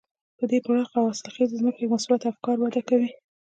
په دې پراخه او حاصلخېزه ځمکه کې مثبت افکار وده کوي.